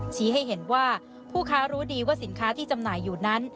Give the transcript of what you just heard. ให้เห็นว่าผู้ค้ารู้ดีว่าสินค้าที่จำหน่ายอยู่นั้น